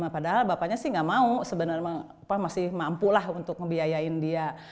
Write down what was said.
padahal bapaknya sih nggak mau sebenarnya masih mampu lah untuk ngebiayain dia